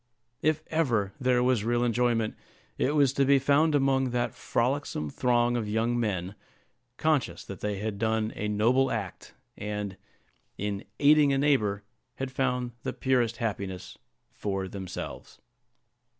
If ever there was real enjoyment, it was to be found among that frolicsome throng of young men, conscious that they had done a noble act, and, in aiding a neighbor, had found the purest happiness for themselves.